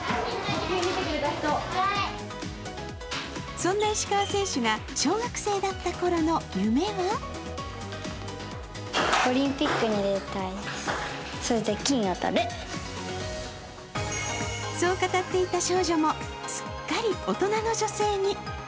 そんな石川選手が小学生だったころの夢はそう語っていた少女もすっかり大人の女性に。